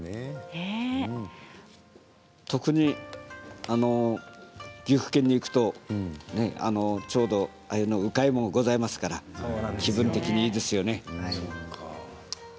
特に岐阜県に行くとちょうど鮎の鵜飼いもございますから気分的にいいですよね。